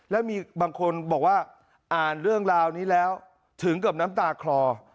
แล้วมีบางคนบอกว่าอ่านเรื่องราวนี้แล้วถึงกับน้ำตาคลอ